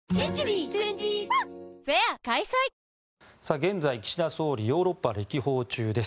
現在、岸田総理ヨーロッパ歴訪中です。